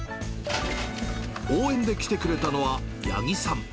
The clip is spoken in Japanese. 応援で来てくれたのは八木さん。